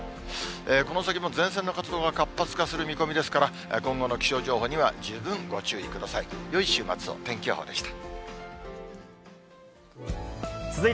この先も前線の活動が活発化する見込みですから、今後の気象情報には十分ご注意ください。